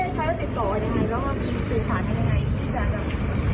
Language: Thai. ก็มีแต่แม่คุณเขาแต่อาจารย์